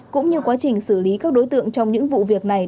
cũng như quá trình xử lý các đối tượng trong những vụ việc này